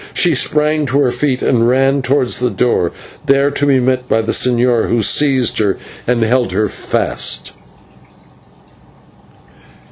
She sprang to her feet and ran towards the door, there to be met by the señor, who seized her and held her fast.